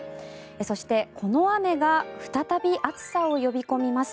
そして、この雨が再び暑さを呼び込みます。